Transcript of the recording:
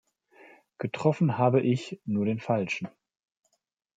Getroffen habe ich, nur den Falschen.